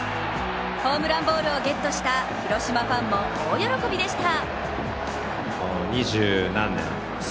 ホームランボールをゲットした広島ファンも大喜びでした。